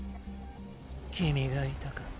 君がいたか。